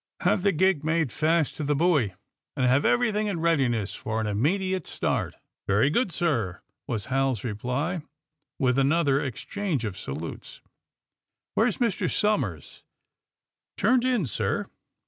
^^Have the gig made fast to the buoy and have everything in readiness for an immediate start." ^^Very good, sir," was HaPs reply, with an other exchange of salutes. ''Where is Mr. Somers?" ''Turned in, sir."